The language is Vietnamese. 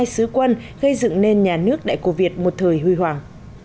một mươi hai sứ quân gây dựng nên nhà nước đại cổ việt một thời huy hoàng